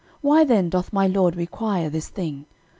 why then doth my lord require this thing?